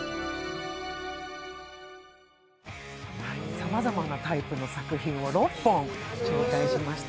さまざまなタイプの作品を６本紹介しました。